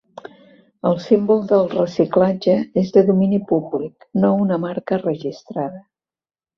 El símbol del reciclatge és de domini públic, no una marca registrada.